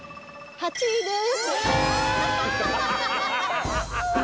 ８位です。